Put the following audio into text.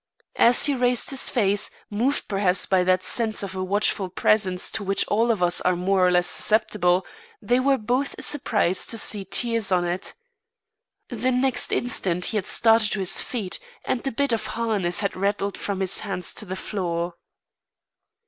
As he raised his face, moved perhaps by that sense of a watchful presence to which all of us are more or less susceptible, they were both surprised to see tears on it. The next instant he had started to his feet and the bit of harness had rattled from his hands to the floor.